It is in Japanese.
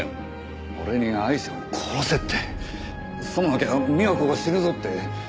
俺にアイシャを殺せってさもなきゃ美和子が死ぬぞって。